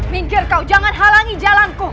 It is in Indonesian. mingkir kau jangan halangi jalanku